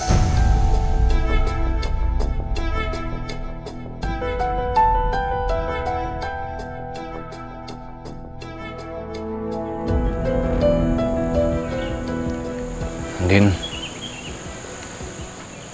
iya udah kenal